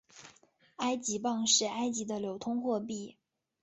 埃及镑是埃及的流通货币。